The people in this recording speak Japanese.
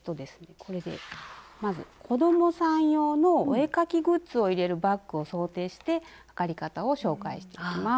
これでまず子どもさん用のお絵描きグッズを入れるバッグを想定して測り方を紹介していきます。